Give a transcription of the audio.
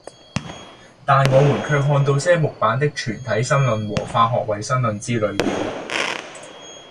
但我們卻看到些木版的《全體新論》和《化學衛生論》之類了。